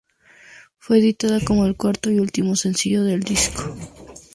Fue editada como el cuarto y último sencillo del disco.